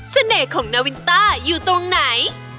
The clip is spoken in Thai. เสน่ห์ของนวินต้าอยู่ตรงไหน